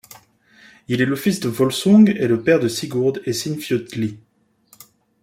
Il est le fils de Völsung et le père de Sigurd et Sinfjötli.